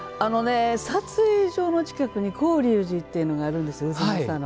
撮影所の近くに広隆寺というのがあるんです太秦の。